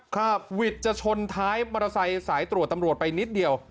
วิทย์จะชนท้ายมอเตอร์ไซค์สายตรวจตำรวจไปนิดเดียว